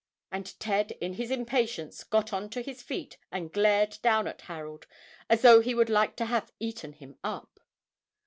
and Ted in his impatience got on to his feet and glared down at Harold as though he would like to have eaten him up.